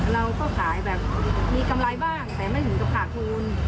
เราก็ขายแบบมีกำไรบ้างแต่ไม่ถึงกับขาดทุน